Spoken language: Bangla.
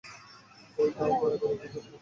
ঐ দাঁও মারার জন্য কী কী করতে হয়েছে?